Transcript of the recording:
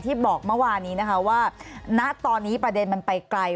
บอกเมื่อวานี้นะคะว่าณตอนนี้ประเด็นมันไปไกล